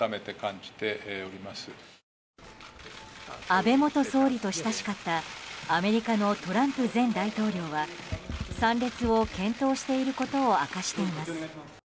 安倍元総理と親しかったアメリカのトランプ前大統領は参列を検討していることを明かしています。